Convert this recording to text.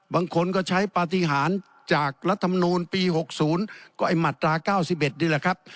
บางคนก็ใช้ปฏิหารจากรัฐมนูลปี๖๐ก็ไอ้มาตรา๙๑นี่แหละครับ